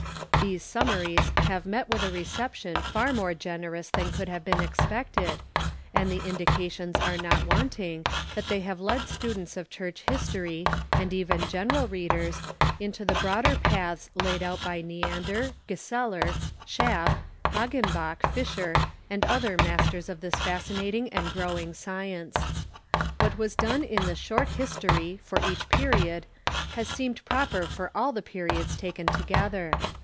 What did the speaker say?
These summaries have met Avith a reception far more generous than could have been expected, and the indications are not wanting that they have led students of Church History, and even general readers, into the broader paths laid out by Neander, Gieseler, Schafi^, Hagenbach, Fisher, and other masters of this fascinating and growing science. What was done in the Short History for each period has seemed proper for all the periods taken together.